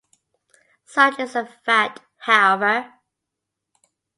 Such is the fact however.